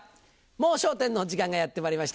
『もう笑点』の時間がやってまいりました。